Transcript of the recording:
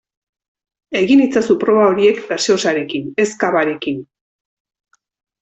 Egin itzazu proba horiek gaseosarekin ez cavarekin.